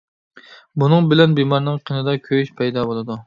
بۇنىڭ بىلەن بىمارنىڭ قېنىدا كۆيۈش پەيدا بولىدۇ.